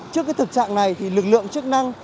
trước cái thực trạng này thì lực lượng chức năng